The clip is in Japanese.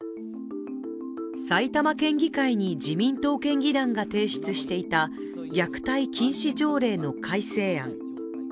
埼玉県議会に自民党県議団が提出していた虐待禁止条例の改正案。